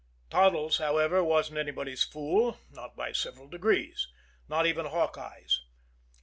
Toddles, however, wasn't anybody's fool, not by several degrees not even Hawkeye's.